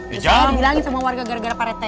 bisa aja dibilangin sama warga gara gara parete